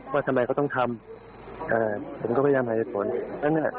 ว่าทำไมเขาต้องทำผมก็พยายามหาเหตุผลอันเนี้ย